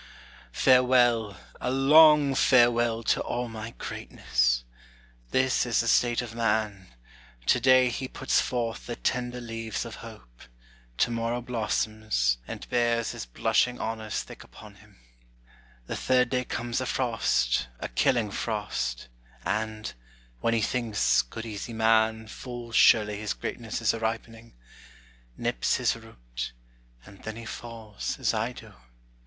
Farewell, a long farewell, to all my greatness! This is the state of man: to day he puts forth The tender leaves of hope; to morrow blossoms, And bears his blushing honors thick upon him: The third day comes a frost, a killing frost; And when he thinks, good easy man, full surely His greatness is a ripening nips his root, And then he falls, as I do.